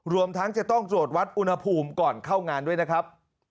รวมทั้งจะต้องตรวจวัดอุณหภูมิก่อนเข้างานด้วยนะครับ